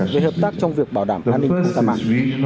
về hợp tác trong việc bảo đảm an ninh không gian mạng